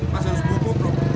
masih harus bukuk bro